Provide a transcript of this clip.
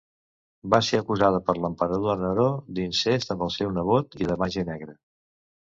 Va ser acusada per l'emperador Neró d'incest amb el seu nebot i de màgia negra.